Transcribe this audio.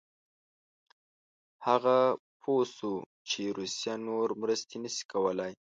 هغه پوه شو چې روسیه نور مرستې نه شي کولای.